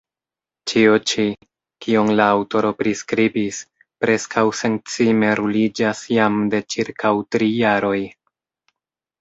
Ĉio ĉi, kion la aŭtoro priskribis, preskaŭ sencime ruliĝas jam de ĉirkaŭ tri jaroj.